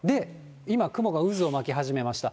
今、雲が渦を巻き始めました。